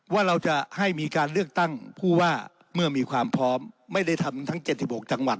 ว่าเราจะให้มีการเลือกตั้งผู้ว่าเมื่อมีความพร้อมไม่ได้ทำทั้ง๗๖จังหวัด